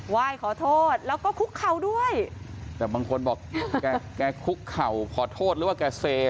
ไหว้ขอโทษแล้วก็คุกเข่าด้วยแต่บางคนบอกแกคุกเข่าขอโทษหรือว่าแกเซ